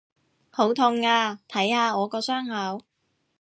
好痛啊！睇下我個傷口！